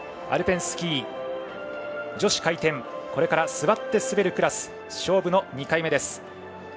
アルペンスキー女子回転これから座って滑るクラス勝負の２回目です。